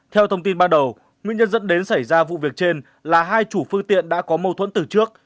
theo thông tin ban đầu nguyên nhân dẫn đến xảy ra vụ việc trên là hai chủ phương tiện đã có mâu thuẫn từ trước